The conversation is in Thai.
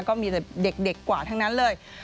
ก็มีแต่เด็กกว่าทั้งนั้นเลย